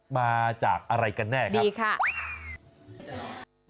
มาจากอะไรกันแน่ครับดีค่ะ